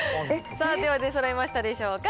さあ、では、出そろいましたでしょうか？